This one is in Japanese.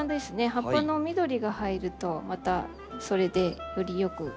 葉っぱの緑が入るとまたそれでより良く見えると思います。